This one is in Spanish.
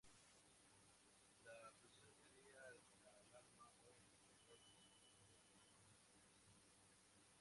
La pulsión sería la alarma o indicador psíquico de una necesidad somática.